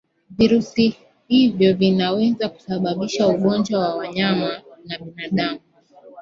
Virusi ivyo vinaweza kusababisha ugonjwa kwa wanyama na binadamu